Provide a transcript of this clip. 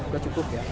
sudah cukup ya